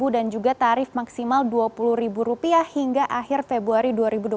dan juga tarif maksimal dua puluh rupiah hingga akhir februari dua ribu dua puluh empat